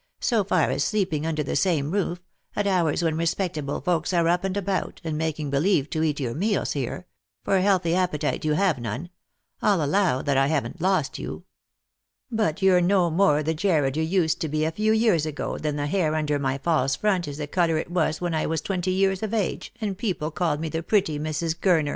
" So far as sleeping under the same roof— at hours when respectable folks are up and about — and making believe to eat your meals here — for healthy appetite you have none— I'll allow that I haven't lost you. But you're no more the Jarred you used to be a few years ago than the hair under my false front is the colour it was when I was twenty years of age, and people called me the pretty Mrs. Gurner." Lost for Love.